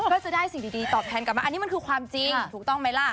ก็จะได้สิ่งดีตอบแทนกลับมาอันนี้มันคือความจริงถูกต้องไหมล่ะ